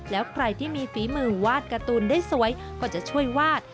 แล้วใครที่มีฝีมือวาดการ์ตูนได้สวยก็จะช่วยวาด